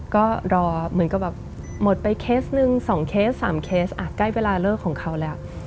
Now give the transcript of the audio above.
ก็รอเหมือนกับแบบหมดไปเคสหนึ่ง๒เคส๓เคสใกล้เวลาเลิกของเขาแล้ว